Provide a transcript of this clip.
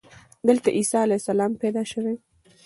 دلته عیسی علیه السلام پیدا شوی.